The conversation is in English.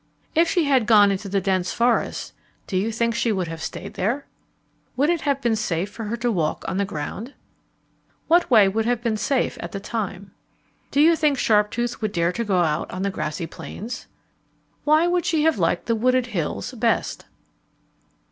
If she had gone into the dense forests, do you think she would have stayed there? Would it have been safe for her to walk on the ground? What way would have been safe at that time? Do you think Sharptooth would dare to go out on the grassy plains? Why did she like the wooded hills best?